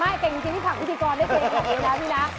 ไม่เจ๋งจริงคุณผ่านพิธีกรได้เจ๋งนะพี่นะ